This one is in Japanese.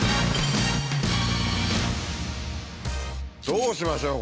どうしましょう？